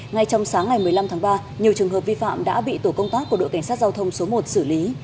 ngay trong sáng ngày một mươi năm tháng ba nhiều trường hợp vi phạm đã bị tổ công tác của đội cảnh sát giao thông số một xử lý